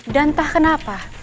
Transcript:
dan entah kenapa